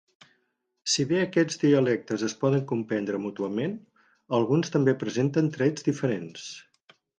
Si bé aquests dialectes es poden comprendre mútuament, alguns també presenten trets diferents.